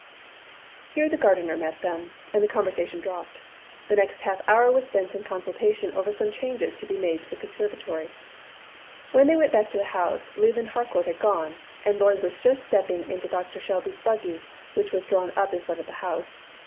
Here the gardener met them, and the conversation dropped. The next half hour was spent in consultation over some changes to be made in the conservatory. When they went back to the house Leland Harcourt had gone, and Lloyd was just stepping into Doctor Shelby's buggy, which was drawn up in front of the house.